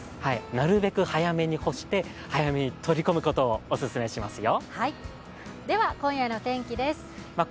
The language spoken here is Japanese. なるべく早めに干して、早めに取り込むことをオススメしますよ。